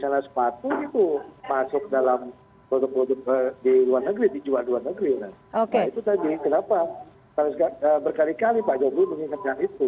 nah itu tadi kenapa berkali kali pak jokowi mengingatkan itu